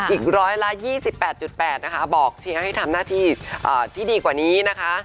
อีกร้อยละ๒๘๘นะคะบอกเชียร์ให้ทำหน้าที่ที่ดีกว่านี้นะคะ